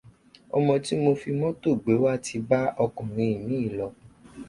Ọmọ tí mo fi mọ́tò gbé wá ti bá ọkùnrin míì lọ.